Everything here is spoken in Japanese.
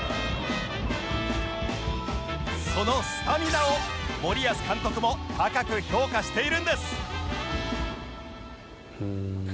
そのスタミナを森保監督も高く評価しているんです